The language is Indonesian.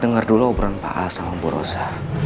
dengar dulu obran pak al sama bu rosa